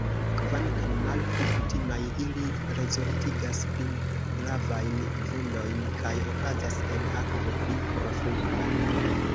Kvankam malpli kutimaj, ili rezultigas pli gravajn vundojn kaj okazas en akvo pli profunda.